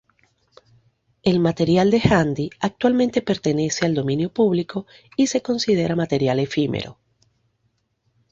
El material de Handy actualmente pertenece al dominio público y se considera material efímero.